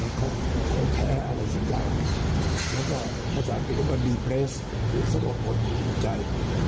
แล้วก็เสร็จตรงไปอย่างเยอะมาก